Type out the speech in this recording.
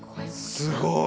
すごい！